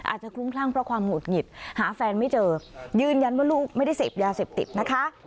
คลุ้มคลั่งเพราะความหุดหงิดหาแฟนไม่เจอยืนยันว่าลูกไม่ได้เสพยาเสพติดนะคะ